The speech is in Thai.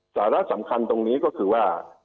สาระสำคัญตรงนี้ก็คือว่า